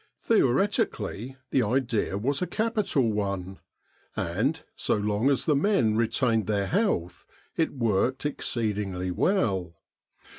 Theoretically, the idea was a capital one, and, so long as the men retained their health, it worked ex ceedingly well.